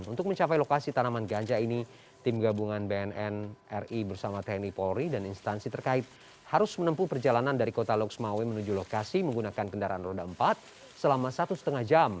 untuk mencapai lokasi tanaman ganja ini tim gabungan bnn ri bersama tni polri dan instansi terkait harus menempuh perjalanan dari kota loksmawe menuju lokasi menggunakan kendaraan roda empat selama satu lima jam